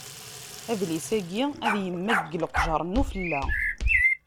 Adlis-ayi ad yemmag deg leqjer-nni n ufella.